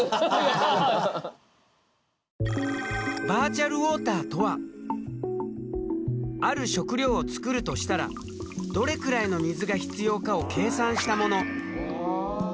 バーチャルウォーターとはある食料を作るとしたらどれくらいの水が必要かを計算したもの。